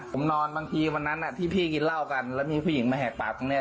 ผมนอนบางทีวันนั้นที่พี่กินเหล้ากันแล้วมีผู้หญิงมาแหกปากตรงเนี้ย